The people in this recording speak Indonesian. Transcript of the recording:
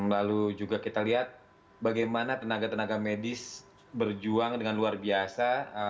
lalu juga kita lihat bagaimana tenaga tenaga medis berjuang dengan luar biasa